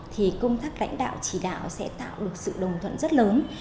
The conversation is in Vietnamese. thì công tác lãnh đạo chỉ đạo sẽ tạo được sự đồng thuận rất lớn